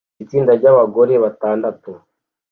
Itsinda ry'abagore batandatu